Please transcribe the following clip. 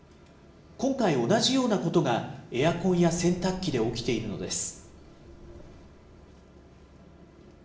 今回、同じようなことがエアコンや洗濯機で起きているのです。